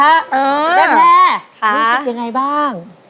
แม่แม่ยังไงบ้าง